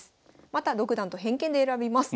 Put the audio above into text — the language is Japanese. また独断と偏見で選びます。